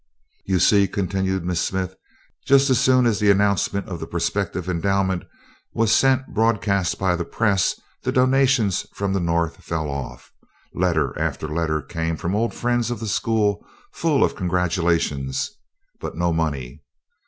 "You see," continued Miss Smith, "just as soon as the announcement of the prospective endowment was sent broadcast by the press, the donations from the North fell off. Letter after letter came from old friends of the school full of congratulations, but no money.